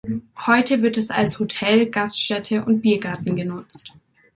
Heute wird es als Hotel, Gaststätte und Biergarten genutzt.